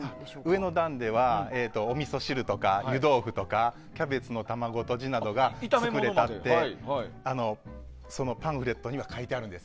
上の段では、おみそ汁とか湯豆腐とかキャベツの卵とじなどが作れるとパンフレットに書いてあるんです。